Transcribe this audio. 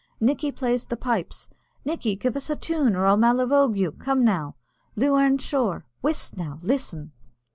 Nickey plays the pipes. Nickey, give us a tune, or I'll malivogue you come now, 'Lough Erne Shore.' Whist, now listen!"